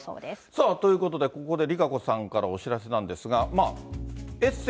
さあ、ということで、ここでＲＩＫＡＣＯさんからお知らせなんですが。